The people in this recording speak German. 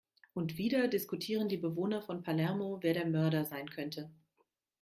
Und wieder diskutieren die Bewohner von Palermo, wer der Mörder sein könnte.